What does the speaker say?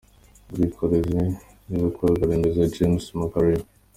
Ubwikorezi n’ ibikorwaremezo James Macharia.